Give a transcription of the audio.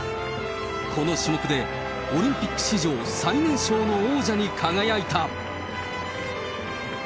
この種目でオリンピック史上最年少の王者に輝いた。